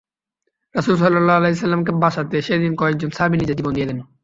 রাসূল সাল্লাল্লাহু আলাইহি ওয়াসাল্লাম-কে বাঁচাতে সেদিন কয়েকজন সাহাবী নিজের জীবন দিয়ে দেন।